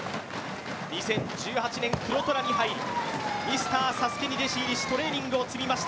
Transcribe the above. ２０１８年、黒虎に入りミスターＳＡＳＵＫＥに弟子入りしトレーニングを積みました。